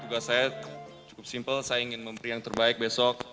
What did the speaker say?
tugas saya cukup simpel saya ingin memberi yang terbaik besok